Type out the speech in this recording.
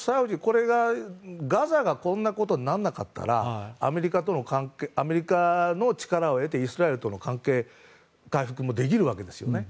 ガザがこんなことにならなかったらアメリカとの力を得てイスラエルとの関係回復もできるわけですよね。